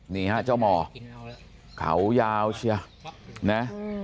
นี่ฮะเจ้าหมอเขายาวเชียวนะ